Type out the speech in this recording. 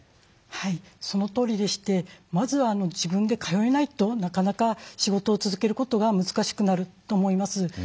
はいそのとおりでしてまずは自分で通えないとなかなか仕事を続けることが難しくなると思います。